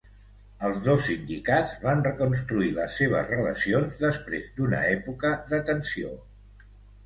Els dos sindicats van reconstruir les seves relacions després d'una època de tensió.